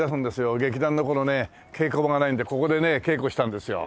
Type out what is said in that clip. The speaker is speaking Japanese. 劇団の頃ね稽古場がないんでここでね稽古したんですよ。